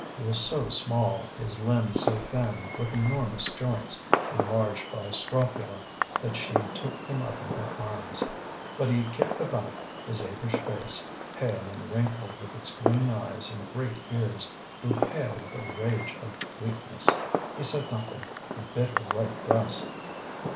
He was so small, his limbs so thin, with enormous joints, enlarged by scrofula, that she took him up in her arms. But he kicked about, his apish face, pale and wrinkled, with its green eyes and great ears, grew pale with the rage of weakness. He said nothing, he bit her right breast.